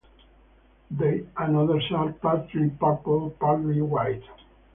The anthers are partly purple, partly white.